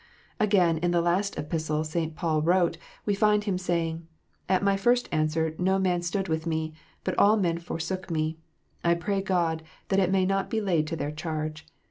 Again, in the last Epistle St. Paul wrote, we find him saying, "At my first answer no man stood with me, but all men forsook me : I pray God that it may not be laid to their charge.